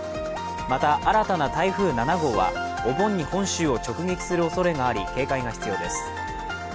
また、新たな台風７号はお盆に本州を直撃するおそれがあり警戒が必要です。